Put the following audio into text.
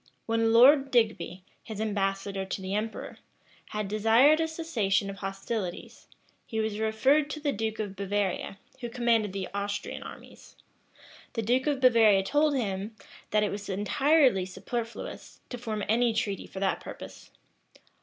When Lord Digby, his ambassador to the emperor, had desired a cessation of hostilities, he was referred to the duke of Bavaria, who commanded the Austrian armies. The duke of Bavaria told him, that it was entirely superfluous to form any treaty for that purpose.